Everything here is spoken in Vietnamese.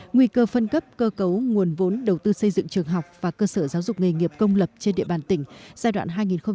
nguy cơ phân cấp cơ cấu nguồn vốn đầu tư xây dựng trường học và cơ sở giáo dục nghề nghiệp công lập trên địa bàn tỉnh giai đoạn hai nghìn hai mươi một hai nghìn hai mươi năm